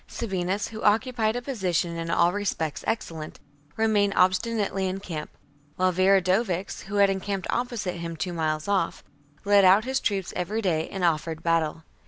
Sabinus, who occupied a position in all respects excellent/ remained obstinately in camp ; while Viridovix, who had encamped opposite him, two miles off, led out his troops every day and offered battle.